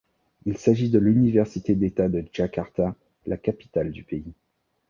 Il s'agit de l'université d'État de Jakarta, la capitale du pays.